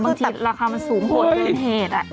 บางทีราคามันสูงหมดเพียงเหตุ